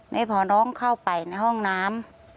นี่พอน้องเข้าไปในห้องน้ำ